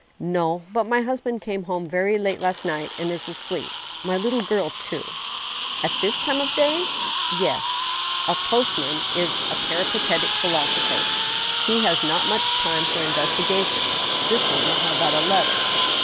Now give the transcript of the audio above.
" No ; but my husband came home very late last night, and is asleep ; my little girl, too." " At this time of day ?"• ''Yes." A postman is a peripatetic philosopher ; he has not much time for investigations. This one held out a letter.